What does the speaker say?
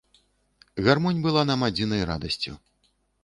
Гармонь была нам адзінай радасцю.